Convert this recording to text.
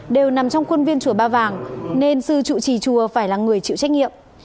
đều nằm trong khuôn viên chùa ba vàng nên sư trụ trì chùa phải là người chịu trách nhiệm